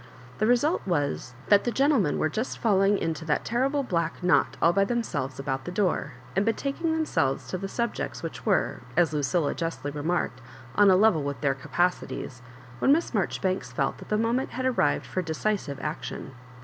The result wbjs, that ihe gentlemen ware just fidl ing into that terrible black knot all by themselves about the door, and betaking themselves to the subjects which were, as Lucilla justly remarked, on a level with their capacities, when Miss Mar joribanks felt that the moment had arrived for decisive action.